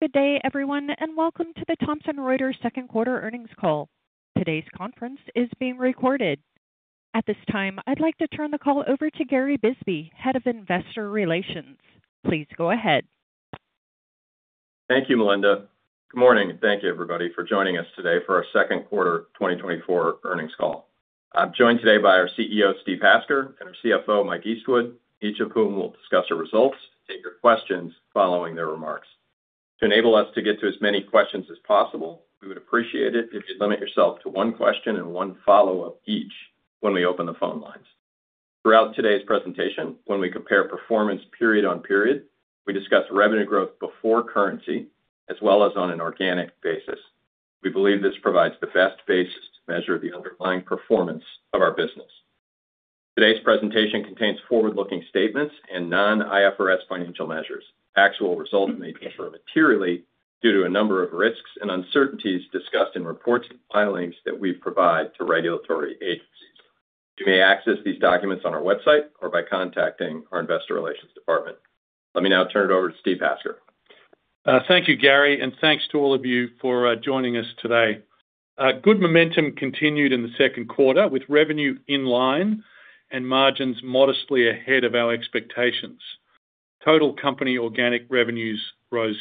Good day, everyone, and welcome to the Thomson Reuters second-quarter earnings call. Today's conference is being recorded. At this time, I'd like to turn the call over to Gary Bisbee, Head of Investor Relations. Please go ahead. Thank you, Melinda. Good morning, and thank you, everybody, for joining us today for our second quarter 2024 earnings call. I'm joined today by our CEO, Steve Hasker, and our CFO, Mike Eastwood, each of whom will discuss our results and take your questions following their remarks. To enable us to get to as many questions as possible, we would appreciate it if you'd limit yourself to one question and one follow-up each when we open the phone lines. Throughout today's presentation, when we compare performance period-on-period, we discuss revenue growth before currency as well as on an organic basis. We believe this provides the best basis to measure the underlying performance of our business. Today's presentation contains forward-looking statements and non-IFRS financial measures. Actual results may differ materially due to a number of risks and uncertainties discussed in reports and filings that we provide to regulatory agencies. You may access these documents on our website or by contacting our investor relations department. Let me now turn it over to Steve Hasker. Thank you, Gary, and thanks to all of you for joining us today. Good momentum continued in the second quarter with revenue in line and margins modestly ahead of our expectations. Total company organic revenues rose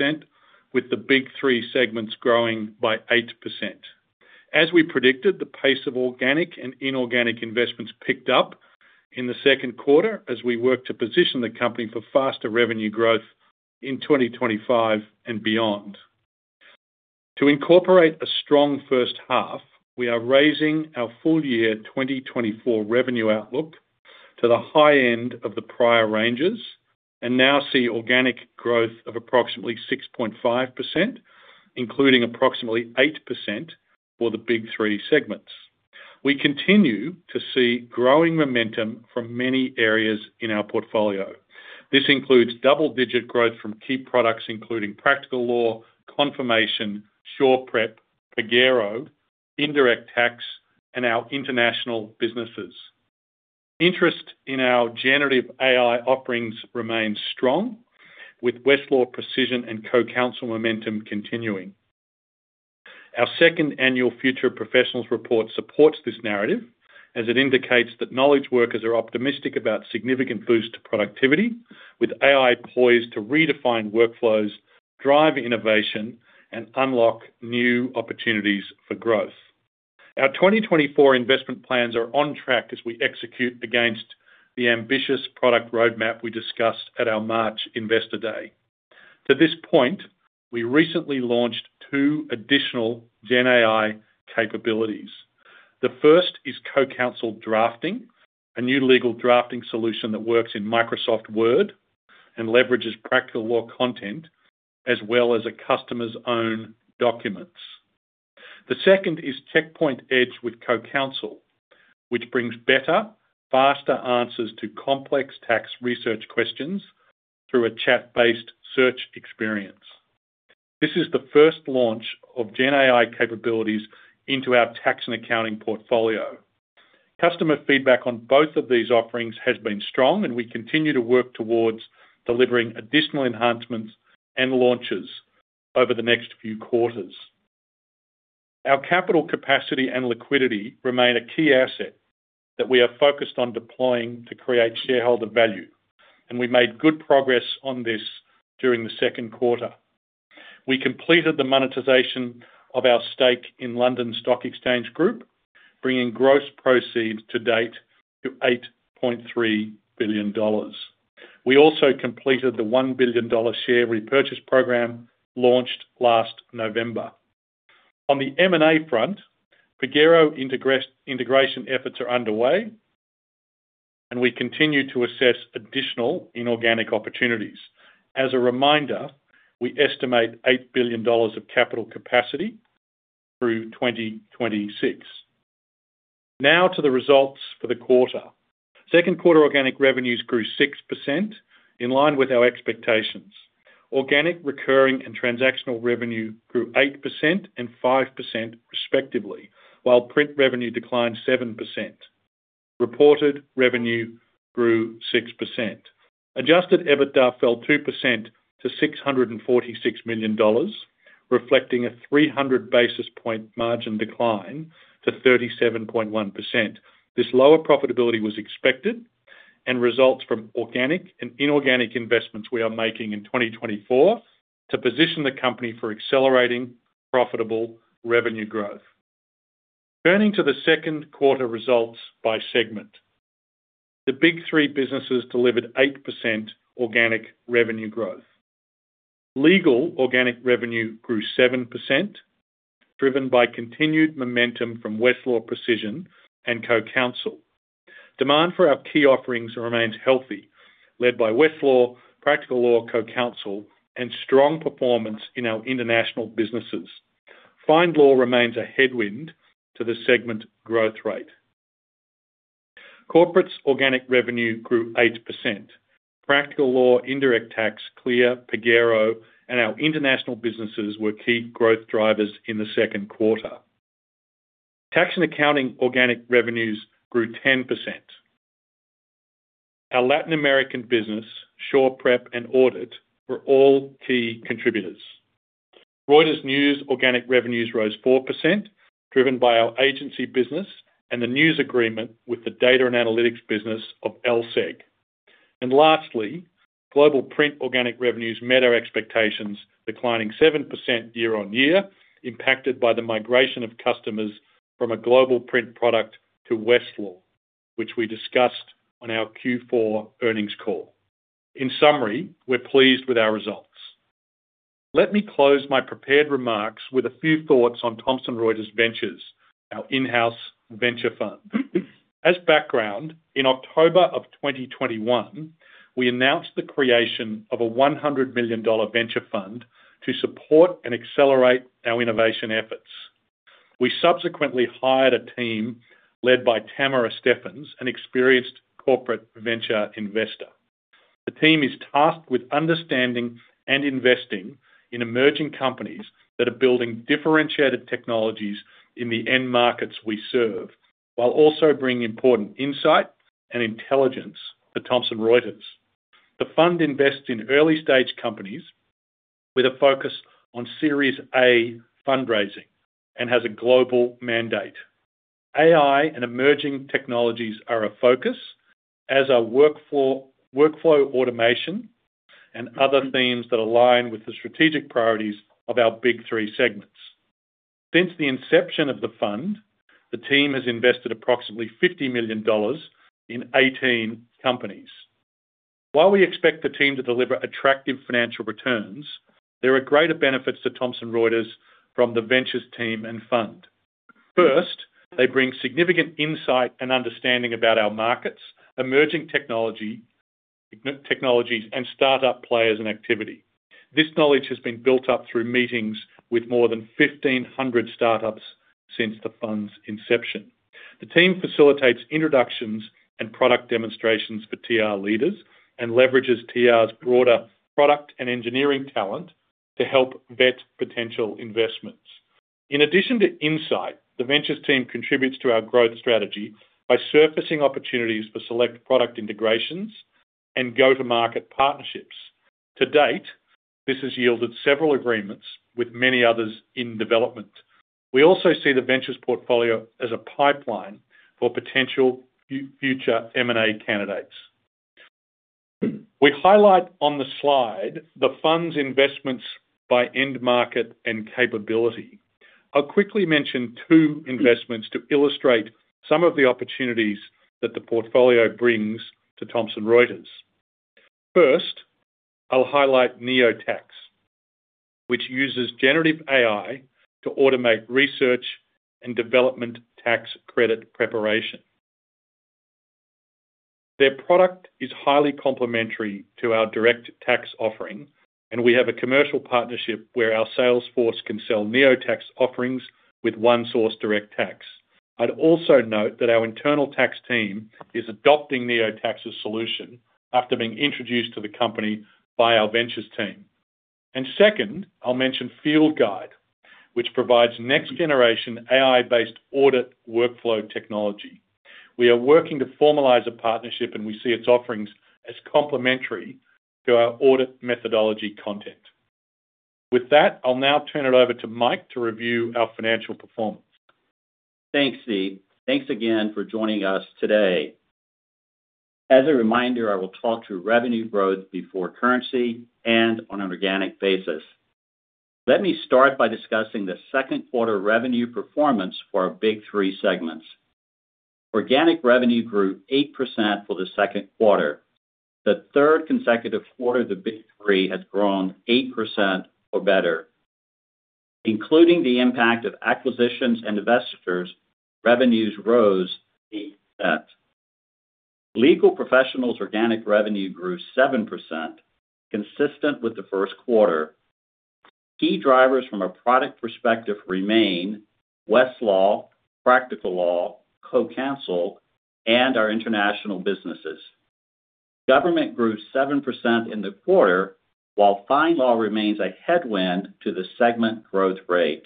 6%, with the Big Three segments growing by 8%. As we predicted, the pace of organic and inorganic investments picked up in the second quarter as we worked to position the company for faster revenue growth in 2025 and beyond. To incorporate a strong first half, we are raising our full-year 2024 revenue outlook to the high end of the prior ranges and now see organic growth of approximately 6.5%, including approximately 8% for the Big Three segments. We continue to see growing momentum from many areas in our portfolio. This includes double-digit growth from key products including Practical Law, Confirmation, SurePrep, Pagero, Indirect Tax, and our international businesses. Interest in our generative AI offerings remains strong, with Westlaw Precision and Co-Counsel momentum continuing. Our second annual Future Professionals Report supports this narrative as it indicates that knowledge workers are optimistic about significant boosts to productivity, with AI poised to redefine workflows, drive innovation, and unlock new opportunities for growth. Our 2024 investment plans are on track as we execute against the ambitious product roadmap we discussed at our March Investor Day. To this point, we recently launched two additional GenAI capabilities. The first is Co-Counsel Drafting, a new legal drafting solution that works in Microsoft Word and leverages Practical Law content as well as a customer's own documents. The second is Checkpoint Edge with Co-Counsel, which brings better, faster answers to complex tax research questions through a chat-based search experience. This is the first launch of GenAI capabilities into our Tax and Accounting portfolio. Customer feedback on both of these offerings has been strong, and we continue to work towards delivering additional enhancements and launches over the next few quarters. Our capital capacity and liquidity remain a key asset that we are focused on deploying to create shareholder value, and we made good progress on this during the second quarter. We completed the monetization of our stake in London Stock Exchange Group, bringing gross proceeds to date to $8.3 billion. We also completed the $1 billion share repurchase program launched last November. On the M&A front, Pagero integration efforts are underway, and we continue to assess additional inorganic opportunities. As a reminder, we estimate $8 billion of capital capacity through 2026. Now to the results for the quarter. Second quarter organic revenues grew 6%, in line with our expectations. Organic, recurring, and transactional revenue grew 8% and 5%, respectively, while print revenue declined 7%. Reported revenue grew 6%. Adjusted EBITDA fell 2% to $646 million, reflecting a 300 basis point margin decline to 37.1%. This lower profitability was expected, and results from organic and inorganic investments we are making in 2024 to position the company for accelerating profitable revenue growth. Turning to the second quarter results by segment, the big three businesses delivered 8% organic revenue growth. Legal organic revenue grew 7%, driven by continued momentum from Westlaw Precision and Co-Counsel. Demand for our key offerings remains healthy, led by Westlaw, Practical Law, Co-Counsel, and strong performance in our international businesses. FindLaw remains a headwind to the segment growth rate. Corporate organic revenue grew 8%. Practical Law, Indirect Tax, CLEAR, Pagero, and our international businesses were key growth drivers in the second quarter. Tax and Accounting organic revenues grew 10%. Our Latin American business, SurePrep and Audit, were all key contributors. Reuters News organic revenues rose 4%, driven by our agency business and the news agreement with the data and analytics business of LSEG. Lastly, Global Print organic revenues met our expectations, declining 7% year-over-year, impacted by the migration of customers from a Global Print product to Westlaw, which we discussed on our Q4 earnings call. In summary, we're pleased with our results. Let me close my prepared remarks with a few thoughts on Thomson Reuters Ventures, our in-house venture fund. As background, in October of 2021, we announced the creation of a $100 million venture fund to support and accelerate our innovation efforts. We subsequently hired a team led by Tamara Steffens, an experienced Corporate venture investor. The team is tasked with understanding and investing in emerging companies that are building differentiated technologies in the end markets we serve, while also bringing important insight and intelligence to Thomson Reuters. The fund invests in early-stage companies with a focus on Series A fundraising and has a global mandate. AI and emerging technologies are a focus, as are workflow automation and other themes that align with the strategic priorities of our big three segments. Since the inception of the fund, the team has invested approximately $50 million in 18 companies. While we expect the team to deliver attractive financial returns, there are greater benefits to Thomson Reuters from the ventures team and fund. First, they bring significant insight and understanding about our markets, emerging technologies, and startup players and activity. This knowledge has been built up through meetings with more than 1,500 startups since the fund's inception. The team facilitates introductions and product demonstrations for TR leaders and leverages TR's broader product and engineering talent to help vet potential investments. In addition to insight, the ventures team contributes to our growth strategy by surfacing opportunities for select product integrations and go-to-market partnerships. To date, this has yielded several agreements, with many others in development. We also see the ventures portfolio as a pipeline for potential future M&A candidates. We highlight on the slide the fund's investments by end market and capability. I'll quickly mention two investments to illustrate some of the opportunities that the portfolio brings to Thomson Reuters. First, I'll highlight NeoTax, which uses generative AI to automate research and development tax credit preparation. Their product is highly complementary to our direct tax offering, and we have a commercial partnership where our sales force can sell NeoTax offerings with ONESOURCE Direct Tax. I'd also note that our internal tax team is adopting NeoTax's solution after being introduced to the company by our ventures team. Second, I'll mention Fieldguide, which provides next-generation AI-based audit workflow technology. We are working to formalize a partnership, and we see its offerings as complementary to our audit methodology content. With that, I'll now turn it over to Mike to review our financial performance. Thanks, Steve. Thanks again for joining us today. As a reminder, I will talk through revenue growth before currency and on an organic basis. Let me start by discussing the second quarter revenue performance for our big three segments. Organic revenue grew 8% for the second quarter. The third consecutive quarter of the big three has grown 8% or better. Including the impact of acquisitions and divestitures, revenues rose 8%. Legal Professionals organic revenue grew 7%, consistent with the first quarter. Key drivers from a product perspective remain Westlaw, Practical Law, Co-Counsel, and our international businesses. Government grew 7% in the quarter, while FindLaw remains a headwind to the segment growth rate.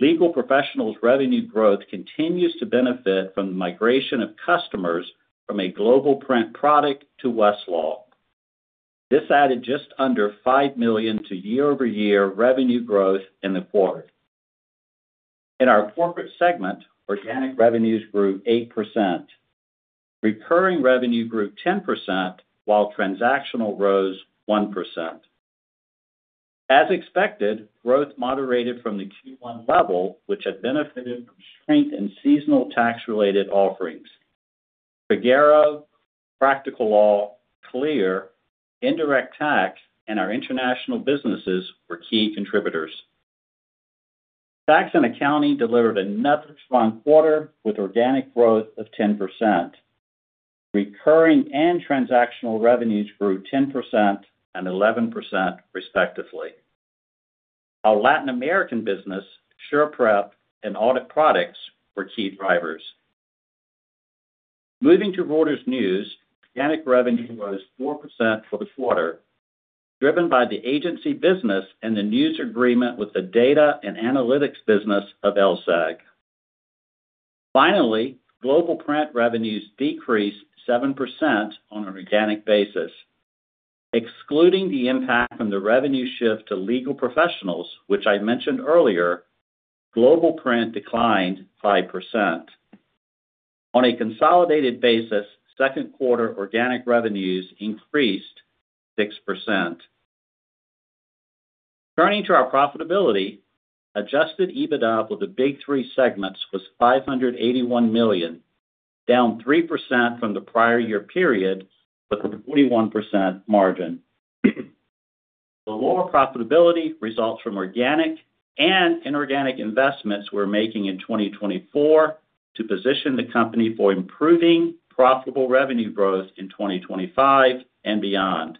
Legal Professionals revenue growth continues to benefit from the migration of customers from a Global Print product to Westlaw. This added just under $5 million to year-over-year revenue growth in the quarter. In our corporate segment, organic revenues grew 8%. Recurring revenue grew 10%, while transactional rose 1%. As expected, growth moderated from the Q1 level, which had benefited from strength and seasonal tax-related offerings. Pagero, Practical Law, CLEAR, Indirect Tax, and our international businesses were key contributors. Tax and accounting delivered another strong quarter with organic growth of 10%. Recurring and transactional revenues grew 10% and 11%, respectively. Our Latin American business, SurePrep and Audit products were key drivers. Moving to Reuters News, organic revenue rose 4% for the quarter, driven by the agency business and the news agreement with the data and analytics business of LSEG. Finally, global print revenues decreased 7% on an organic basis. Excluding the impact from the revenue shift to Legal Professionals, which I mentioned earlier, global print declined 5%. On a consolidated basis, second quarter organic revenues increased 6%. Turning to our profitability, Adjusted EBITDA for the big three segments was $581 million, down 3% from the prior year period with a 41% margin. The lower profitability results from organic and inorganic investments we're making in 2024 to position the company for improving profitable revenue growth in 2025 and beyond.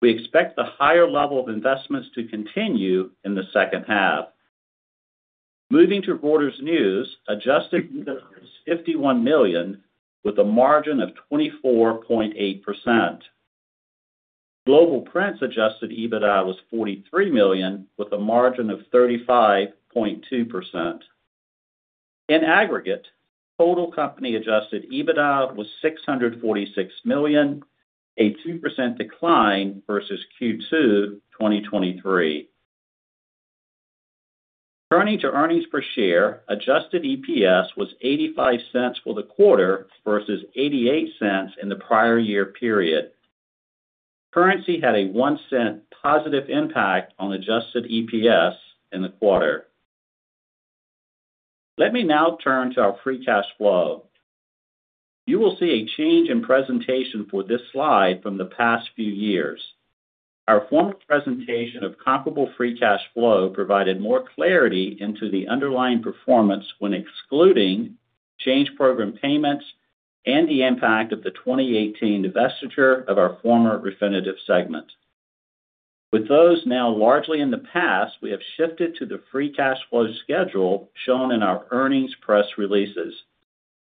We expect the higher level of investments to continue in the second half. Moving to Reuters News, Adjusted EBITDA was $51 million with a margin of 24.8%. Global Print's Adjusted EBITDA was $43 million with a margin of 35.2%. In aggregate, total company Adjusted EBITDA was $646 million, a 2% decline versus Q2 2023. Turning to earnings per share, adjusted EPS was $0.85 for the quarter versus $0.88 in the prior year period. Currency had a 1% positive impact on adjusted EPS in the quarter. Let me now turn to our free cash flow. You will see a change in presentation for this slide from the past few years. Our former presentation of comparable free cash flow provided more clarity into the underlying performance when excluding change program payments and the impact of the 2018 divestiture of our former Refinitiv segment. With those now largely in the past, we have shifted to the free cash flow schedule shown in our earnings press releases,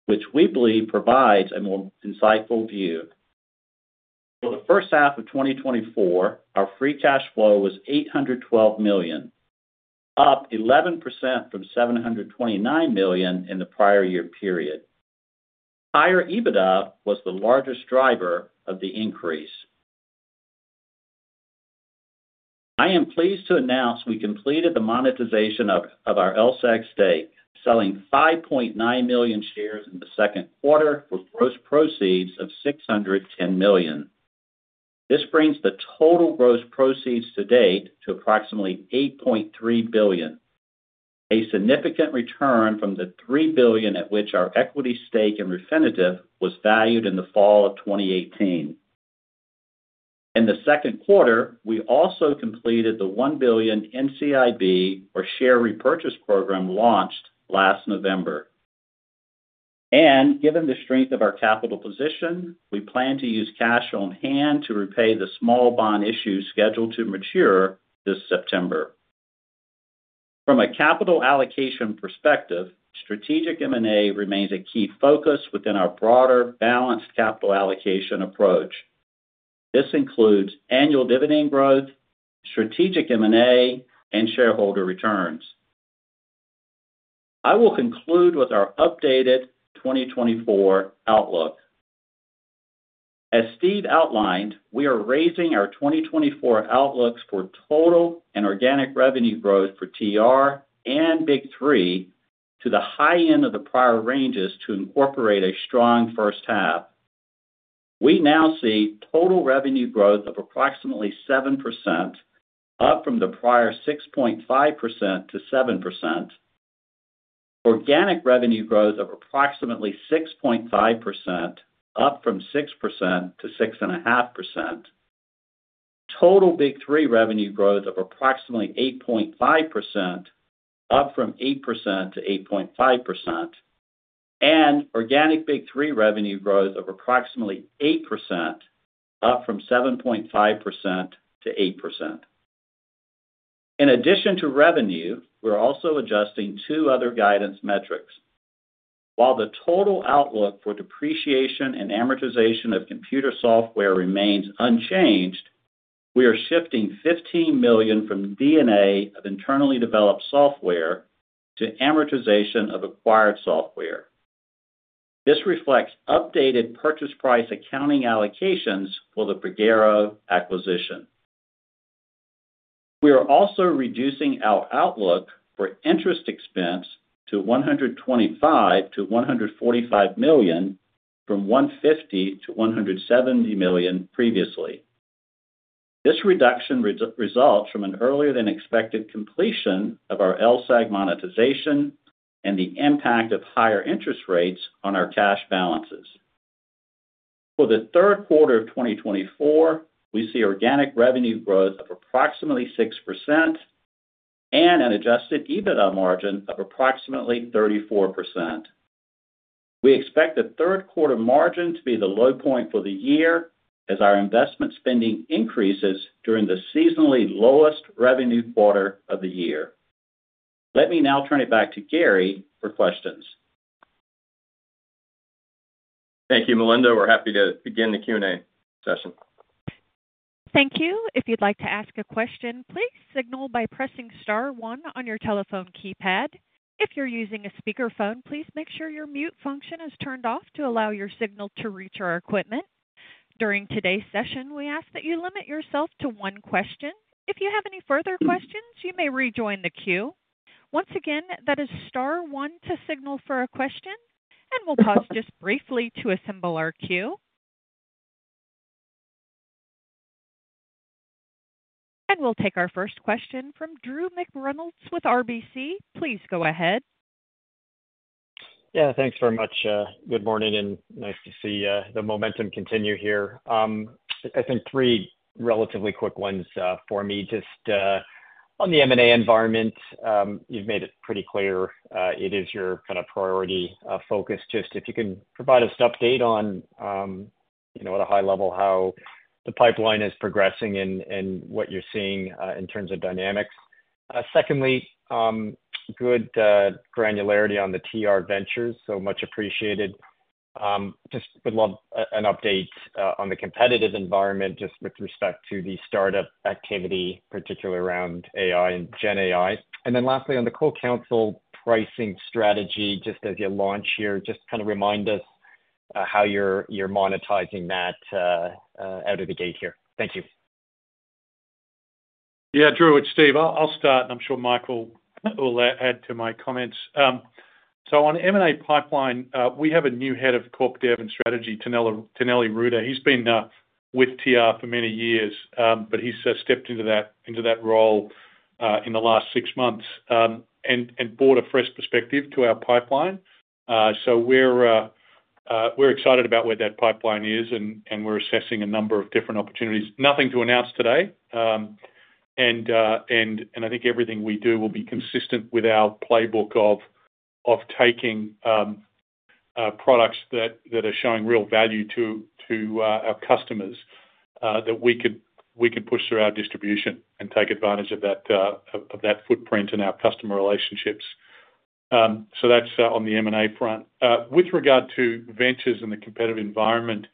which we believe provides a more insightful view. For the first half of 2024, our free cash flow was $812 million, up 11% from $729 million in the prior year period. Higher EBITDA was the largest driver of the increase. I am pleased to announce we completed the monetization of our LSEG stake, selling 5.9 million shares in the second quarter for gross proceeds of $610 million. This brings the total gross proceeds to date to approximately $8.3 billion, a significant return from the $3 billion at which our equity stake in Refinitiv was valued in the fall of 2018. In the second quarter, we also completed the $1 billion NCIB, or share repurchase program, launched last November. Given the strength of our capital position, we plan to use cash on hand to repay the small bond issue scheduled to mature this September. From a capital allocation perspective, strategic M&A remains a key focus within our broader balanced capital allocation approach. This includes annual dividend growth, strategic M&A, and shareholder returns. I will conclude with our updated 2024 outlook. As Steve outlined, we are raising our 2024 outlooks for total and organic revenue growth for TR and big three to the high end of the prior ranges to incorporate a strong first half. We now see total revenue growth of approximately 7%, up from the prior 6.5%-7%. Organic revenue growth of approximately 6.5%, up from 6%-6.5%. Total big three revenue growth of approximately 8.5%, up from 8%-8.5%. Organic big three revenue growth of approximately 8%, up from 7.5%-8%. In addition to revenue, we're also adjusting two other guidance metrics. While the total outlook for depreciation and amortization of computer software remains unchanged, we are shifting $15 million from D&A of internally developed software to amortization of acquired software. This reflects updated purchase price accounting allocations for the Pagero acquisition. We are also reducing our outlook for interest expense to $125-$145 million from $150-$170 million previously. This reduction results from an earlier-than-expected completion of our LSEG monetization and the impact of higher interest rates on our cash balances. For the third quarter of 2024, we see organic revenue growth of approximately 6% and an Adjusted EBITDA margin of approximately 34%. We expect the third quarter margin to be the low point for the year as our investment spending increases during the seasonally lowest revenue quarter of the year. Let me now turn it back to Gary for questions. Thank you, Michael. We're happy to begin the Q&A session. Thank you. If you'd like to ask a question, please signal by pressing star one on your telephone keypad. If you're using a speakerphone, please make sure your mute function is turned off to allow your signal to reach our equipment. During today's session, we ask that you limit yourself to one question. If you have any further questions, you may rejoin the queue. Once again, that is star one to signal for a question, and we'll pause just briefly to assemble our queue. We'll take our first question from Drew McReynolds with RBC. Please go ahead. Yeah, thanks very much. Good morning, and nice to see the momentum continue here. I think three relatively quick ones for me. Just on the M&A environment, you've made it pretty clear it is your kind of priority focus. Just if you can provide us an update on, at a high level, how the pipeline is progressing and what you're seeing in terms of dynamics. Secondly, good granularity on the TR Ventures, so much appreciated. Just would love an update on the competitive environment just with respect to the startup activity, particularly around AI and GenAI. And then lastly, on the Co-Counsel pricing strategy, just as you launch here, just kind of remind us how you're monetizing that out of the gate here. Thank you. Yeah, Drew, it's Steve. I'll start, and I'm sure Michael will add to my comments. So on the M&A pipeline, we have a new head of corporate development strategy, Taneli Ruda. He's been with TR for many years, but he's stepped into that role in the last six months and brought a fresh perspective to our pipeline. So we're excited about where that pipeline is, and we're assessing a number of different opportunities. Nothing to announce today. And I think everything we do will be consistent with our playbook of taking products that are showing real value to our customers that we can push through our distribution and take advantage of that footprint and our customer relationships. So that's on the M&A front. With regard to ventures and the competitive environment,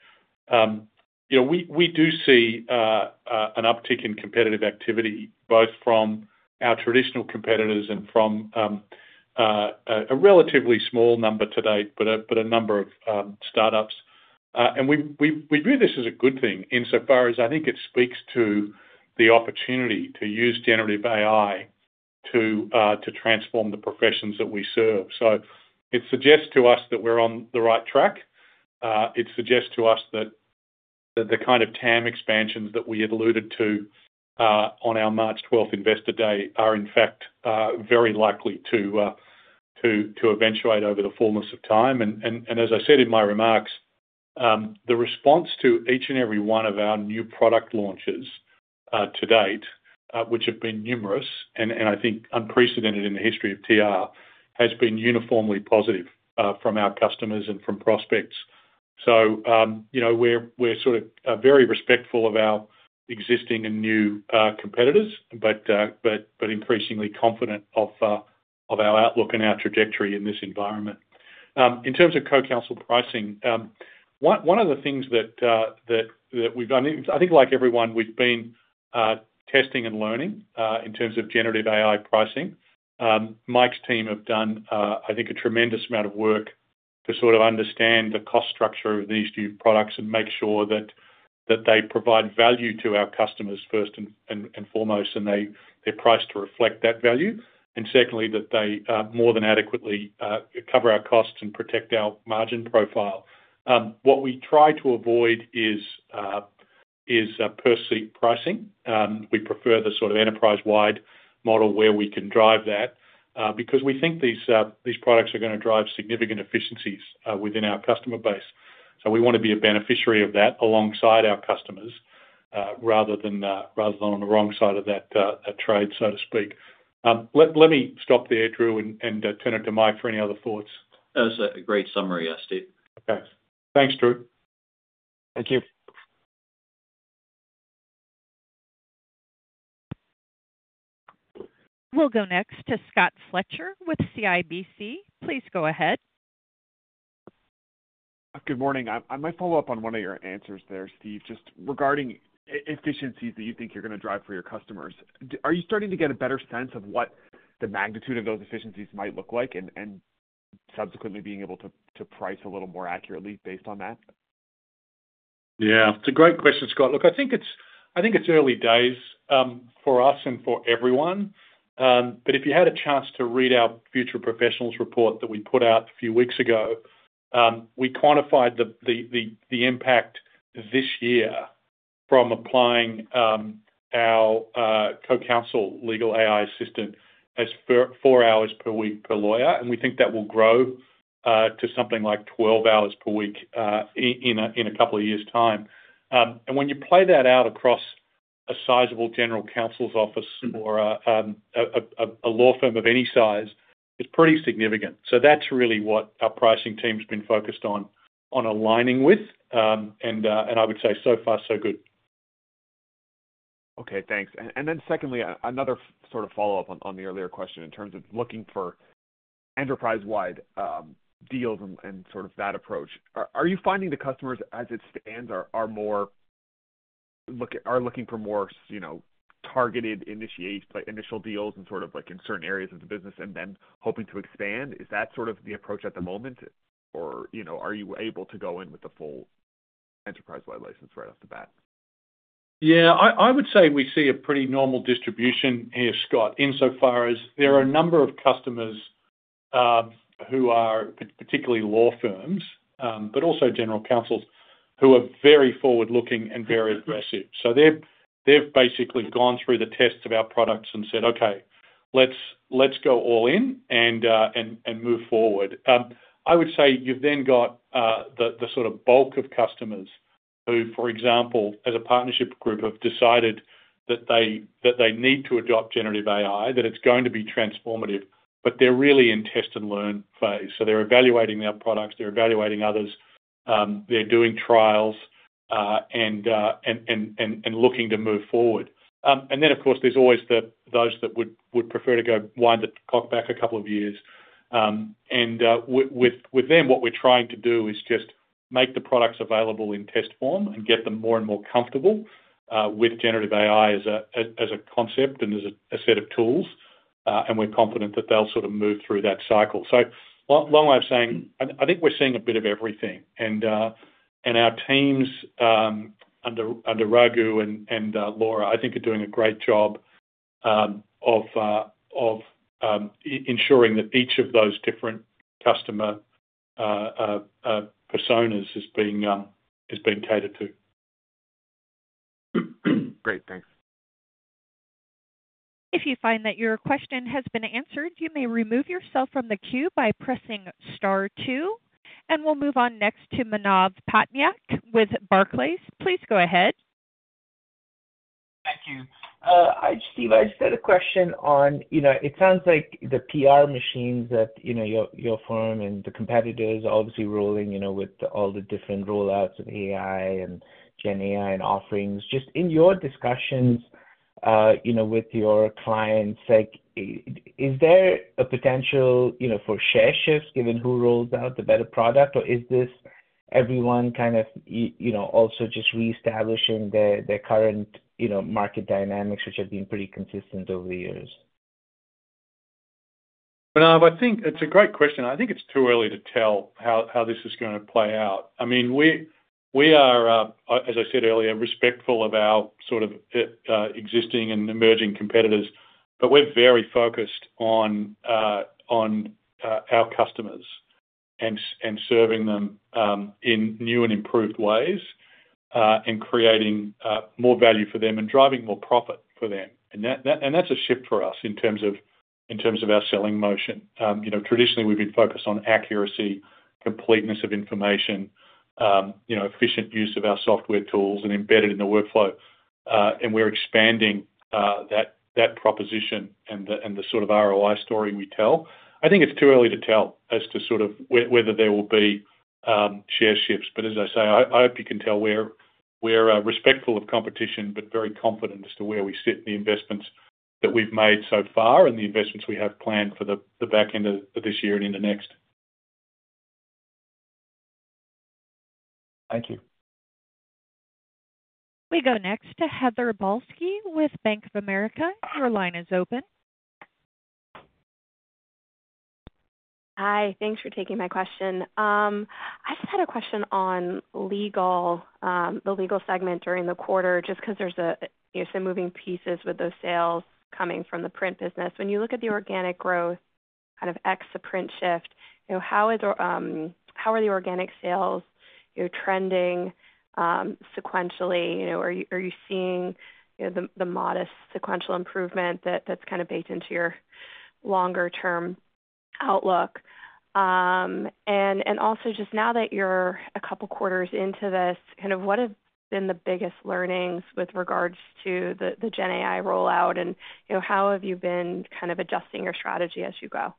we do see an uptick in competitive activity both from our traditional competitors and from a relatively small number to date, but a number of startups. We view this as a good thing insofar as I think it speaks to the opportunity to use generative AI to transform the professions that we serve. It suggests to us that we're on the right track. It suggests to us that the kind of TAM expansions that we had alluded to on our March 12th investor day are, in fact, very likely to eventuate over the fullness of time. As I said in my remarks, the response to each and every one of our new product launches to date, which have been numerous and I think unprecedented in the history of TR, has been uniformly positive from our customers and from prospects. So we're sort of very respectful of our existing and new competitors, but increasingly confident of our outlook and our trajectory in this environment. In terms of Co-Counsel pricing, one of the things that we've done, I think like everyone, we've been testing and learning in terms of generative AI pricing. Mike's team have done, I think, a tremendous amount of work to sort of understand the cost structure of these new products and make sure that they provide value to our customers first and foremost, and their price to reflect that value. And secondly, that they more than adequately cover our costs and protect our margin profile. What we try to avoid is per-seat pricing. We prefer the sort of enterprise-wide model where we can drive that because we think these products are going to drive significant efficiencies within our customer base. We want to be a beneficiary of that alongside our customers rather than on the wrong side of that trade, so to speak. Let me stop there, Drew, and turn it to Mike for any other thoughts. That was a great summary, Steve. Okay. Thanks, Drew. Thank you. We'll go next to Scott Fletcher with CIBC. Please go ahead. Good morning. I might follow up on one of your answers there, Steve, just regarding efficiencies that you think you're going to drive for your customers. Are you starting to get a better sense of what the magnitude of those efficiencies might look like and subsequently being able to price a little more accurately based on that? Yeah, it's a great question, Scott. Look, I think it's early days for us and for everyone. But if you had a chance to read our Future Professionals Report that we put out a few weeks ago, we quantified the impact this year from applying our Co-Counsel legal AI assistant as four hours per week per lawyer. And we think that will grow to something like 12 hours per week in a couple of years' time. And when you play that out across a sizable general counsel's office or a law firm of any size, it's pretty significant. So that's really what our pricing team's been focused on aligning with. And I would say so far, so good. Okay, thanks. And then secondly, another sort of follow-up on the earlier question in terms of looking for enterprise-wide deals and sort of that approach. Are you finding the customers, as it stands, are looking for more targeted initial deals and sort of in certain areas of the business and then hoping to expand? Is that sort of the approach at the moment? Or are you able to go in with the full enterprise-wide license right off the bat? Yeah, I would say we see a pretty normal distribution here, Scott, insofar as there are a number of customers who are particularly law firms, but also general counsels, who are very forward-looking and very aggressive. So they've basically gone through the tests of our products and said, "Okay, let's go all in and move forward." I would say you've then got the sort of bulk of customers who, for example, as a partnership group, have decided that they need to adopt Generative AI, that it's going to be transformative, but they're really in test and learn phase. So they're evaluating their products, they're evaluating others, they're doing trials, and looking to move forward. And then, of course, there's always those that would prefer to go wind the clock back a couple of years. With them, what we're trying to do is just make the products available in test form and get them more and more comfortable with generative AI as a concept and as a set of tools. We're confident that they'll sort of move through that cycle. So long way of saying, I think we're seeing a bit of everything. Our teams under Raghu and Laura, I think, are doing a great job of ensuring that each of those different customer personas is being catered to. Great, thanks. If you find that your question has been answered, you may remove yourself from the queue by pressing star two. We'll move on next to Manav Patnaik with Barclays. Please go ahead. Thank you. Steve, I just had a question on it. Sounds like the PR machines at your firm and the competitors are obviously rolling with all the different rollouts of AI and GenAI and offerings. Just in your discussions with your clients, is there a potential for share shifts given who rolls out the better product? Or is this everyone kind of also just reestablishing their current market dynamics, which have been pretty consistent over the years? Manav, I think it's a great question. I think it's too early to tell how this is going to play out. I mean, we are, as I said earlier, respectful of our sort of existing and emerging competitors, but we're very focused on our customers and serving them in new and improved ways and creating more value for them and driving more profit for them. And that's a shift for us in terms of our selling motion. Traditionally, we've been focused on accuracy, completeness of information, efficient use of our software tools, and embedded in the workflow. And we're expanding that proposition and the sort of ROI story we tell. I think it's too early to tell as to sort of whether there will be share shifts. But as I say, I hope you can tell we're respectful of competition, but very confident as to where we sit in the investments that we've made so far and the investments we have planned for the back end of this year and into next. Thank you. We go next to Heather Balsky with Bank of America. Your line is open. Hi, thanks for taking my question. I just had a question on the legal segment during the quarter just because there's some moving pieces with those sales coming from the print business. When you look at the organic growth kind of ex the print shift, how are the organic sales trending sequentially? Are you seeing the modest sequential improvement that's kind of baked into your longer-term outlook? And also just now that you're a couple of quarters into this, kind of what have been the biggest learnings with regards to the GenAI rollout? And how have you been kind of adjusting your strategy as you go?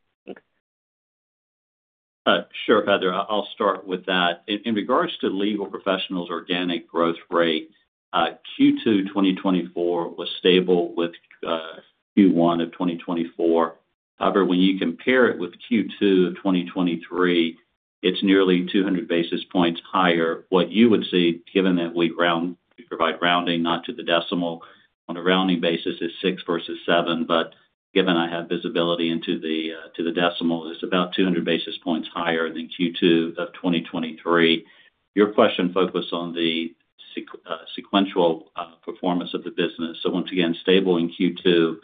Thanks. Sure, Heather. I'll start with that. In regards to legal professionals' organic growth rate, Q2 2024 was stable with Q1 of 2024. However, when you compare it with Q2 of 2023, it's nearly 200 basis points higher. What you would see, given that we provide rounding not to the decimal on a rounding basis, is six versus seven. But given I have visibility into the decimal, it's about 200 basis points higher than Q2 of 2023. Your question focused on the sequential performance of the business. So once again, stable in Q2.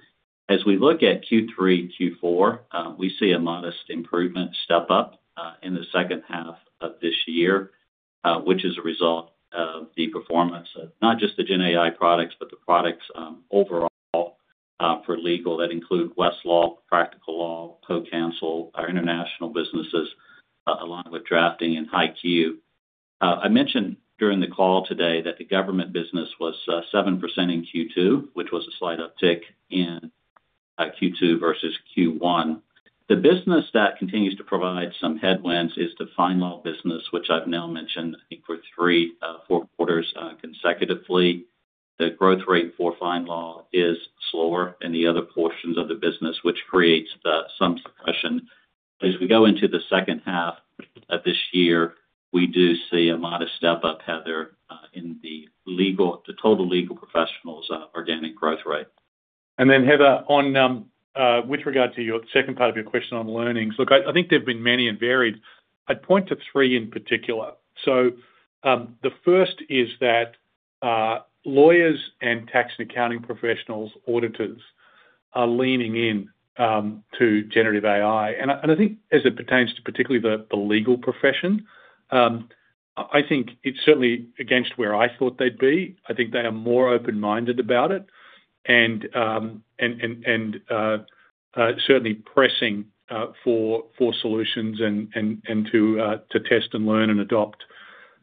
As we look at Q3, Q4, we see a modest improvement step up in the second half of this year, which is a result of the performance of not just the GenAI products, but the products overall for legal that include Westlaw, Practical Law, Co-Counsel, our international businesses, along with drafting and HighQ. I mentioned during the call today that the government business was 7% in Q2, which was a slight uptick in Q2 versus Q1. The business that continues to provide some headwinds is the FindLaw business, which I've now mentioned, I think, for three or four quarters consecutively. The growth rate for FindLaw is slower than the other portions of the business, which creates some suppression. As we go into the second half of this year, we do see a modest step up, Heather, in the total legal professionals' organic growth rate. And then, Heather, with regard to the second part of your question on learnings, look, I think there've been many and varied. I'd point to three in particular. So the first is that lawyers and tax and accounting professionals, auditors, are leaning in to generative AI. And I think as it pertains to particularly the legal profession, I think it's certainly against where I thought they'd be. I think they are more open-minded about it and certainly pressing for solutions and to test and learn and adopt.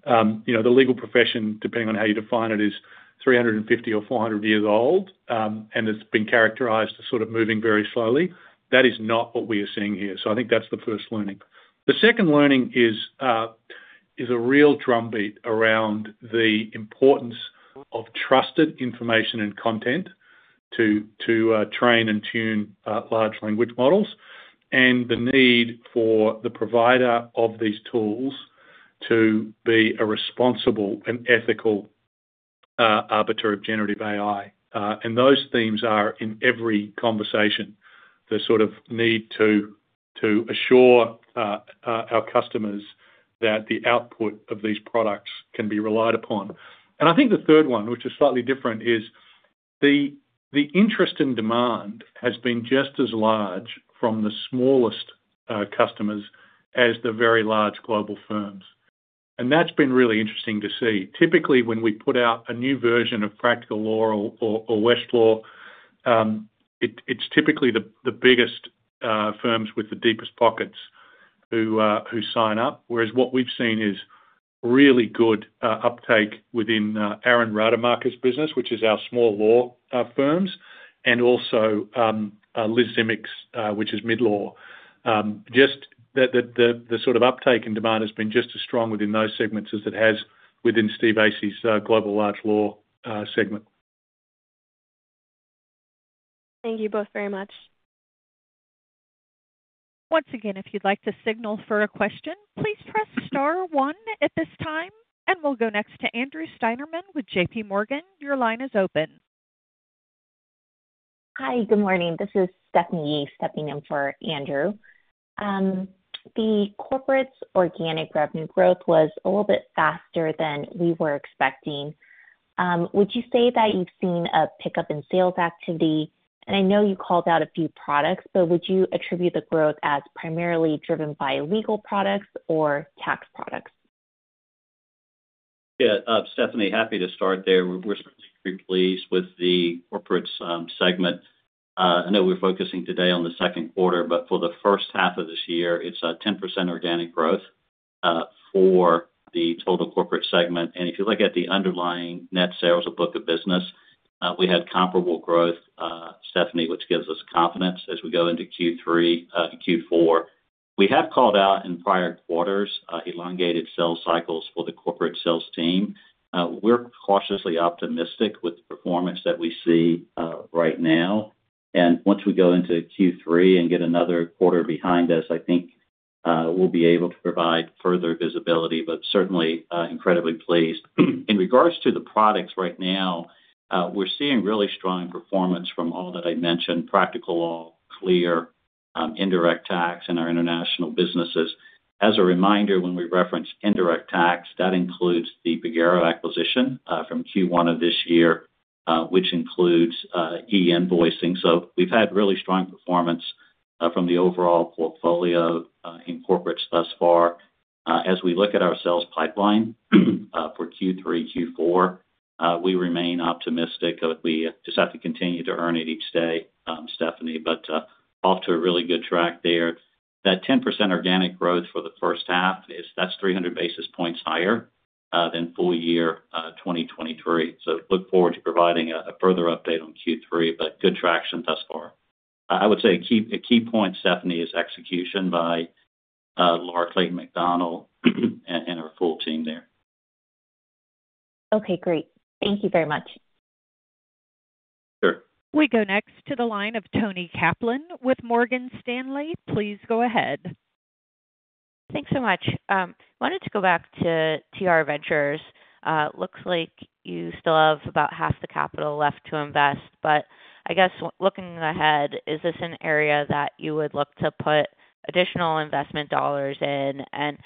The legal profession, depending on how you define it, is 350 or 400 years old, and it's been characterized as sort of moving very slowly. That is not what we are seeing here. So I think that's the first learning. The second learning is a real drumbeat around the importance of trusted information and content to train and tune large language models and the need for the provider of these tools to be a responsible and ethical arbiter of generative AI. Those themes are in every conversation, the sort of need to assure our customers that the output of these products can be relied upon. I think the third one, which is slightly different, is the interest and demand has been just as large from the smallest customers as the very large global firms. That's been really interesting to see. Typically, when we put out a new version of Practical Law or Westlaw, it's typically the biggest firms with the deepest pockets who sign up. Whereas what we've seen is really good uptake within Aaron Radmacher's business, which is our small law firms, and also Elizabeth Dzemic's, which is mid-law. Just the sort of uptake and demand has been just as strong within those segments as it has within Steve Assie's global large law segment. Thank you both very much. Once again, if you'd like to signal for a question, please press star one at this time. We'll go next to Andrew Steinerman with J.P. Morgan. Your line is open. Hi, good morning. This is Stephanie Yee stepping in for Andrew. The Corporates' organic revenue growth was a little bit faster than we were expecting. Would you say that you've seen a pickup in sales activity? And I know you called out a few products, but would you attribute the growth as primarily driven by legal products or tax products? Yeah, Stephanie, happy to start there. We're certainly very pleased with the corporate segment. I know we're focusing today on the second quarter, but for the first half of this year, it's a 10% organic growth for the total corporate segment. If you look at the underlying net sales of book of business, we had comparable growth, Stephanie, which gives us confidence as we go into Q3 and Q4. We have called out in prior quarters elongated sales cycles for the corporate sales team. We're cautiously optimistic with the performance that we see right now. Once we go into Q3 and get another quarter behind us, I think we'll be able to provide further visibility, but certainly incredibly pleased. In regards to the products right now, we're seeing really strong performance from all that I mentioned: Practical Law, CLEAR, Indirect Tax, and our international businesses. As a reminder, when we reference indirect tax, that includes the Pagero acquisition from Q1 of this year, which includes e-invoicing. So we've had really strong performance from the overall portfolio in corporates thus far. As we look at our sales pipeline for Q3, Q4, we remain optimistic that we just have to continue to earn it each day, Stephanie, but off to a really good track there. That 10% organic growth for the first half, that's 300 basis points higher than full year 2023. So look forward to providing a further update on Q3, but good traction thus far. I would say a key point, Stephanie, is execution by Laura Clayton McDonnell and her full team there. Okay, great. Thank you very much. Sure. We go next to the line of Toni Kaplan with Morgan Stanley. Please go ahead. Thanks so much. I wanted to go back to TR Ventures. Looks like you still have about half the capital left to invest. But I guess looking ahead, is this an area that you would look to put additional investment dollars in? And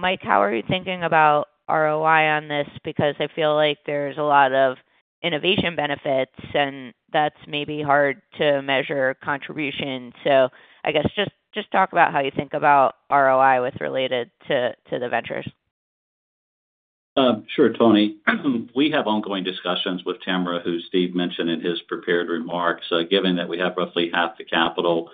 Mike, how are you thinking about ROI on this? Because I feel like there's a lot of innovation benefits, and that's maybe hard to measure contribution. So I guess just talk about how you think about ROI with relation to the ventures. Sure, Toni. We have ongoing discussions with Tamara, who Steve mentioned in his prepared remarks. Given that we have roughly half the capital,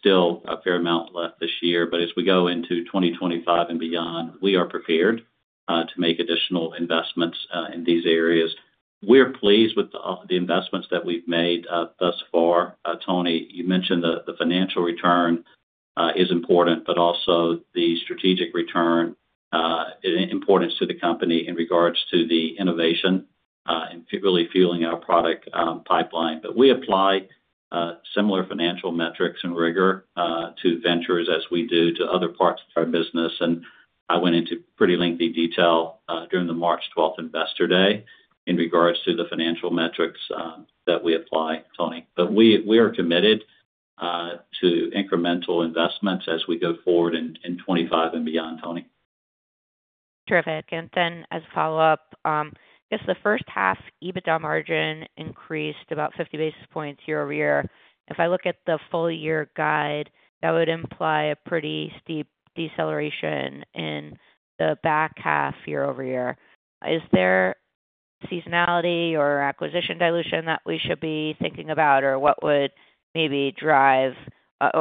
still a fair amount left this year. But as we go into 2025 and beyond, we are prepared to make additional investments in these areas. We're pleased with the investments that we've made thus far. Toni, you mentioned the financial return is important, but also the strategic return is important to the company in regards to the innovation and really fueling our product pipeline. But we apply similar financial metrics and rigor to ventures as we do to other parts of our business. And I went into pretty lengthy detail during the March 12th investor day in regards to the financial metrics that we apply, Toni. But we are committed to incremental investments as we go forward in 2025 and beyond, Toni. Terrific. And then as a follow-up, I guess the first half EBITDA margin increased about 50 basis points year-over-year. If I look at the full year guide, that would imply a pretty steep deceleration in the back half year-over-year. Is there seasonality or acquisition dilution that we should be thinking about, or what would maybe drive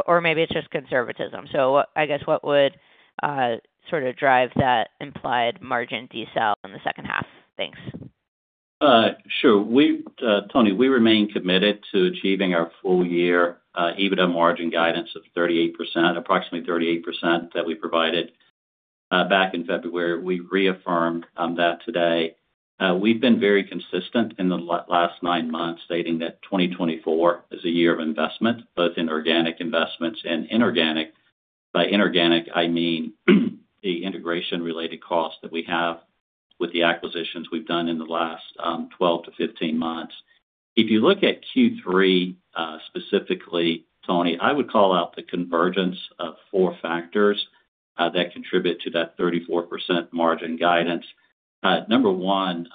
or maybe it's just conservatism? So I guess what would sort of drive that implied margin decel in the second half? Thanks. Sure. Toni, we remain committed to achieving our full year EBITDA margin guidance of 38%, approximately 38% that we provided back in February. We reaffirmed that today. We've been very consistent in the last nine months, stating that 2024 is a year of investment, both in organic investments and inorganic. By inorganic, I mean the integration-related costs that we have with the acquisitions we've done in the last 12-15 months. If you look at Q3 specifically, Toni, I would call out the convergence of four factors that contribute to that 34% margin guidance. Number one,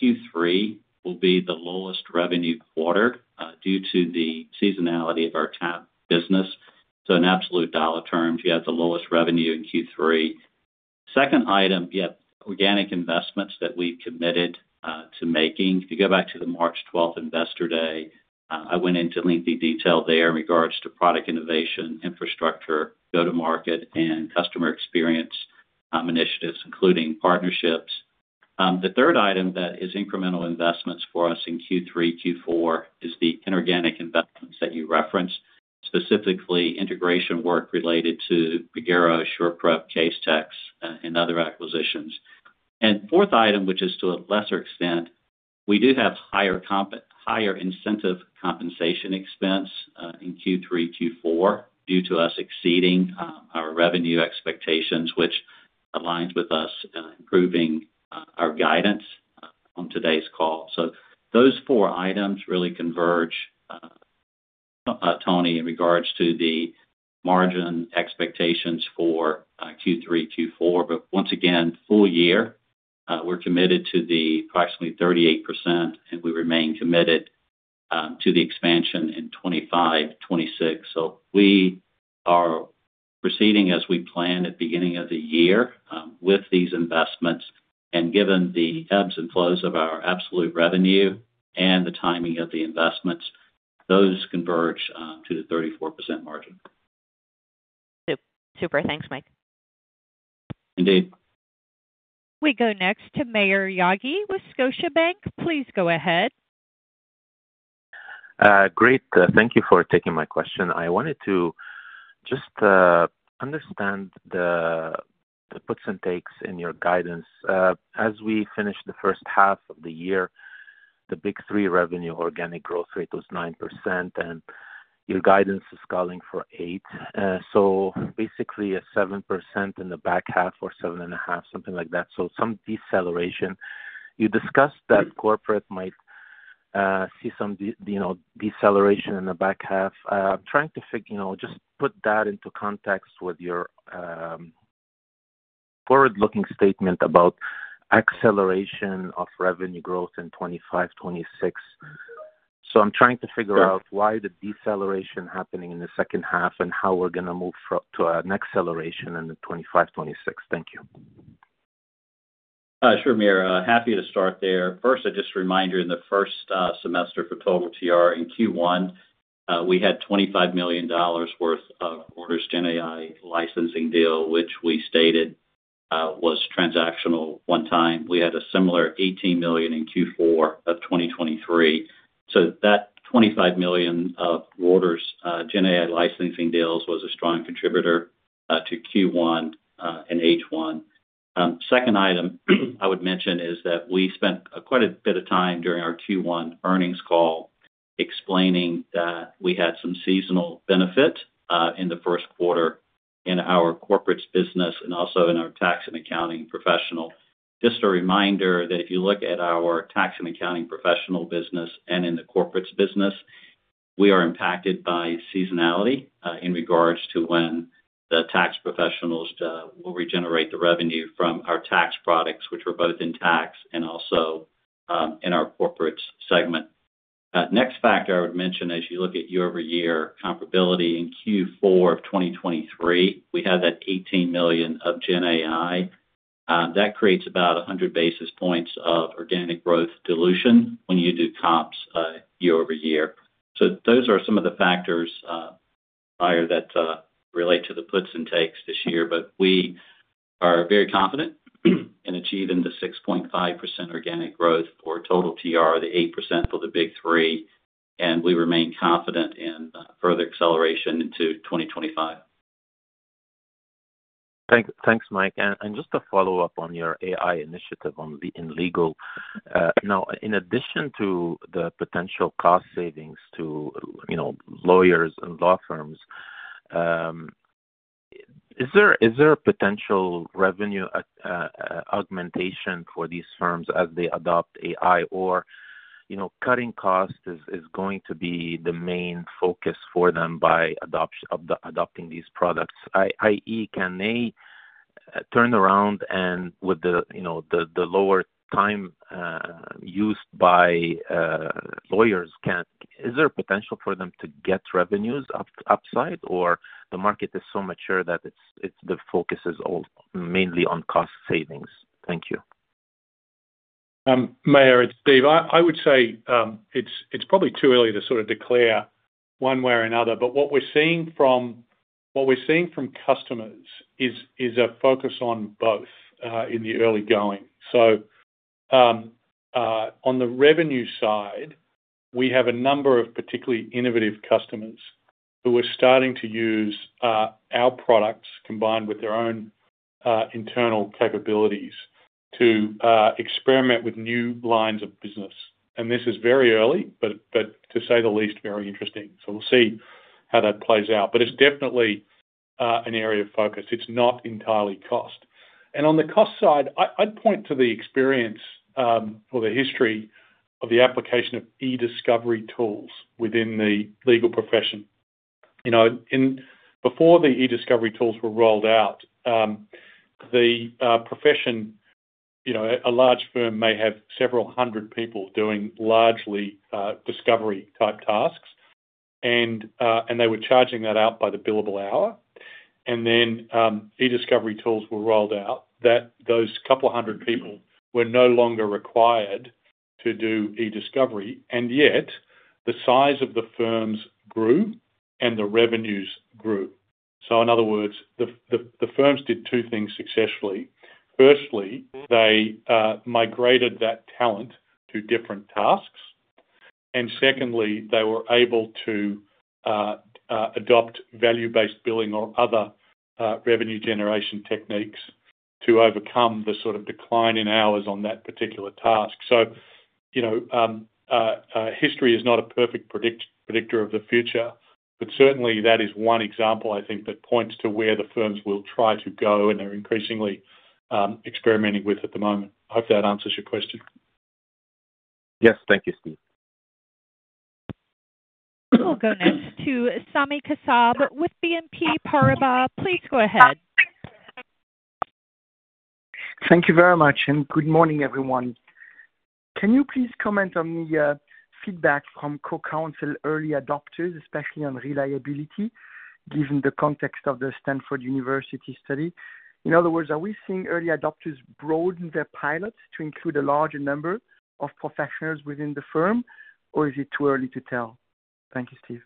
Q3 will be the lowest revenue quarter due to the seasonality of our business. So in absolute dollar terms, you have the lowest revenue in Q3. Second item, you have organic investments that we've committed to making. If you go back to the March 12th Investor Day, I went into lengthy detail there in regards to product innovation, infrastructure, go-to-market, and customer experience initiatives, including partnerships. The third item that is incremental investments for us in Q3, Q4 is the inorganic investments that you referenced, specifically integration work related to Pagero, SurePrep, Casetext, and other acquisitions. Fourth item, which is to a lesser extent, we do have higher incentive compensation expense in Q3, Q4 due to us exceeding our revenue expectations, which aligns with us improving our guidance on today's call. Those four items really converge, Toni, in regards to the margin expectations for Q3, Q4. But once again, full year, we're committed to the approximately 38%, and we remain committed to the expansion in 2025, 2026. We are proceeding as we planned at the beginning of the year with these investments. Given the ebbs and flows of our absolute revenue and the timing of the investments, those converge to the 34% margin. Super. Thanks, Mike. Indeed. We go next to Maher Yaghi with Scotiabank. Please go ahead. Great. Thank you for taking my question. I wanted to just understand the puts and takes in your guidance. As we finished the first half of the year, the big three revenue organic growth rate was 9%, and your guidance is calling for 8. So basically a 7% in the back half or 7.5, something like that. So some deceleration. You discussed that corporate might see some deceleration in the back half. I'm trying to just put that into context with your forward-looking statement about acceleration of revenue growth in 2025, 2026. So I'm trying to figure out why the deceleration happening in the second half and how we're going to move to an acceleration in 2025, 2026. Thank you. Sure, Maher. Happy to start there. First, I just remind you in the first semester for total TR in Q1, we had $25 million worth of orders GenAI licensing deal, which we stated was transactional one time. We had a similar $18 million in Q4 of 2023. So that $25 million of orders GenAI licensing deals was a strong contributor to Q1 and H1. Second item I would mention is that we spent quite a bit of time during our Q1 earnings call explaining that we had some seasonal benefit in the first quarter in our corporate business and also in our tax and accounting professional. Just a reminder that if you look at our tax and accounting professional business and in the corporate business, we are impacted by seasonality in regards to when the tax professionals will regenerate the revenue from our tax products, which were both in tax and also in our corporate segment. Next factor I would mention as you look at year-over-year comparability in Q4 of 2023, we had that $18 million of GenAI. That creates about 100 basis points of organic growth dilution when you do comps year-over-year. So those are some of the factors that relate to the puts and takes this year. But we are very confident in achieving the 6.5% organic growth for total TR, the 8% for the big three. We remain confident in further acceleration into 2025. Thanks, Mike. And just to follow up on your AI initiative in legal. Now, in addition to the potential cost savings to lawyers and law firms, is there potential revenue augmentation for these firms as they adopt AI, or cutting cost is going to be the main focus for them by adopting these products, i.e., can they turn around and with the lower time used by lawyers, is there potential for them to get revenues upside or the market is so mature that the focus is mainly on cost savings? Thank you. Maher and Steve, I would say it's probably too early to sort of declare one way or another. But what we're seeing from customers is a focus on both in the early going. So on the revenue side, we have a number of particularly innovative customers who are starting to use our products combined with their own internal capabilities to experiment with new lines of business. And this is very early, but to say the least, very interesting. So we'll see how that plays out. But it's definitely an area of focus. It's not entirely cost. And on the cost side, I'd point to the experience or the history of the application of e-discovery tools within the legal profession. Before the e-discovery tools were rolled out, the profession, a large firm may have several hundred people doing largely discovery-type tasks. And they were charging that out by the billable hour. And then e-discovery tools were rolled out that those couple hundred people were no longer required to do e-discovery. And yet the size of the firms grew and the revenues grew. So in other words, the firms did two things successfully. Firstly, they migrated that talent to different tasks. And secondly, they were able to adopt value-based billing or other revenue generation techniques to overcome the sort of decline in hours on that particular task. So history is not a perfect predictor of the future, but certainly that is one example, I think, that points to where the firms will try to go and are increasingly experimenting with at the moment. I hope that answers your question. Yes. Thank you, Steve. We'll go next to Sami Kassab with BNP Paribas. Please go ahead. Thank you very much. Good morning, everyone. Can you please comment on the feedback from Co-Counsel early adopters, especially on reliability, given the context of the Stanford University study? In other words, are we seeing early adopters broaden their pilots to include a larger number of professionals within the firm, or is it too early to tell? Thank you, Steve.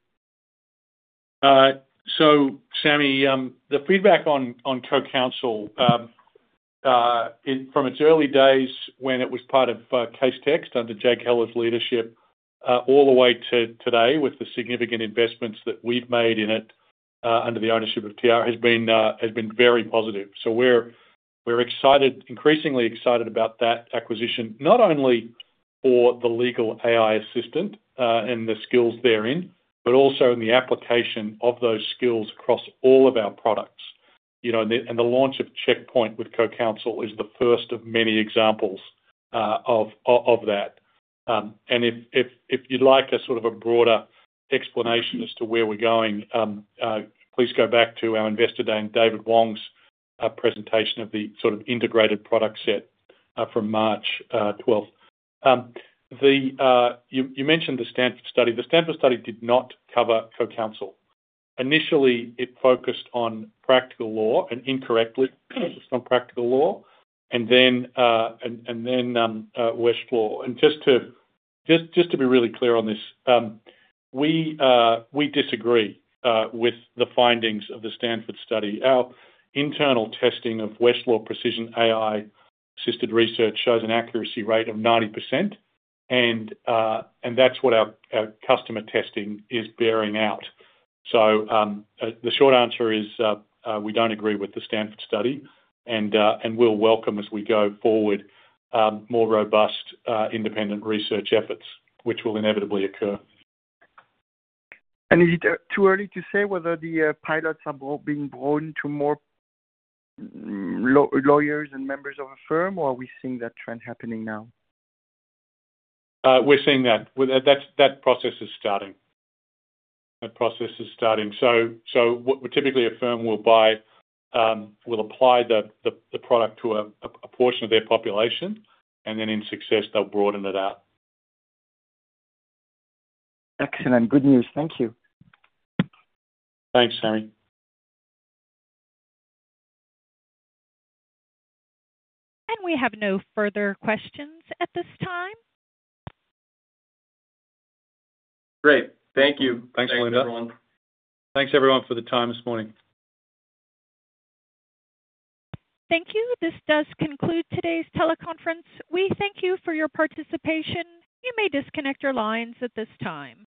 So Sami, the feedback on Co-Counsel from its early days when it was part of Casetext under Jake Heller's leadership all the way to today with the significant investments that we've made in it under the ownership of TR has been very positive. So we're excited, increasingly excited about that acquisition, not only for the legal AI assistant and the skills therein, but also in the application of those skills across all of our products. And the launch of Checkpoint with Co-Counsel is the first of many examples of that. And if you'd like a sort of a broader explanation as to where we're going, please go back to our investor day and David Wong's presentation of the sort of integrated product set from March 12th. You mentioned the Stanford study. The Stanford study did not cover Co-Counsel. Initially, it focused on Practical Law and incorrectly focused on Practical Law and then Westlaw. Just to be really clear on this, we disagree with the findings of the Stanford study. Our internal testing of Westlaw Precision AI-assisted research shows an accuracy rate of 90%, and that's what our customer testing is bearing out. The short answer is we don't agree with the Stanford study, and we'll welcome as we go forward more robust independent research efforts, which will inevitably occur. Is it too early to say whether the pilots are being broadened to more lawyers and members of a firm, or are we seeing that trend happening now? We're seeing that. That process is starting. That process is starting. So typically, a firm will apply the product to a portion of their population, and then in success, they'll broaden it out. Excellent. Good news. Thank you. Thanks, Sami. We have no further questions at this time. Great. Thank you. Thanks, Linda. Thanks, everyone. Thanks, everyone, for the time this morning. Thank you. This does conclude today's teleconference. We thank you for your participation. You may disconnect your lines at this time.